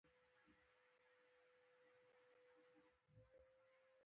لومړی ځل چې ستولیتوف کابل ته راغی.